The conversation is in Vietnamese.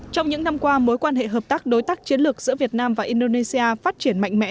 trong những năm qua mối quan hệ hợp tác đối tác chiến lược giữa việt nam và indonesia phát triển mạnh mẽ